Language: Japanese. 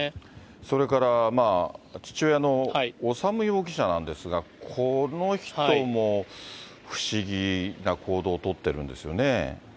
それから父親の修容疑者なんですが、この人も不思議な行動を取ってるんですよね。